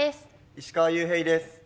石川裕平です。